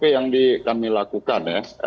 yang kami lakukan